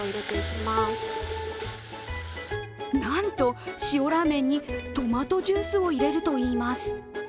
なんと塩ラーメンにトマトジュースを入れるといいます。